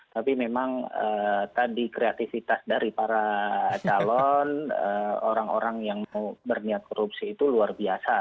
tapi memang tadi kreativitas dari para calon orang orang yang mau berniat korupsi itu luar biasa